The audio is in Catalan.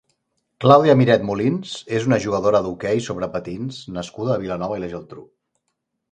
Clàudia Miret Molins és una jugadora d'hoquei sobre patins nascuda a Vilanova i la Geltrú.